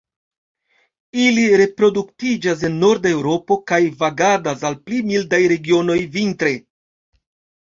Ili reproduktiĝas en norda Eŭropo kaj vagadas al pli mildaj regionoj vintre.